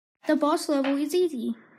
The boss level is easy.